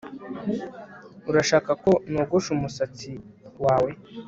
Urashaka ko nogosha umusatsi wawe